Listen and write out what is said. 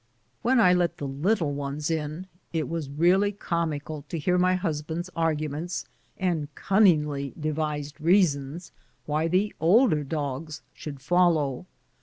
When I let the little ones in, it was really comical to hear my husband's arguments and cunningly devised reasons why the older dogs should follow.